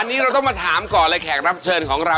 วันนี้เราต้องมาถามก่อนเลยแขกรับเชิญของเรา